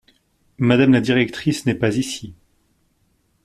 Madame la directrice n’est pas ici.